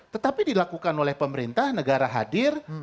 tetapi dilakukan oleh pemerintah negara hadir